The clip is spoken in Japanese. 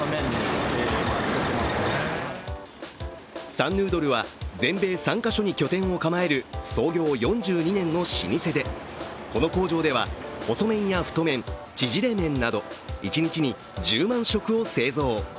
さんぬは全米３か所に拠点を構える創業４２年の老舗で、この工場では細麺や太麺ちぢれ麺など、一日に１０万食を製造。